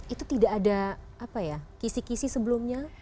itu tidak ada kisi kisi sebelumnya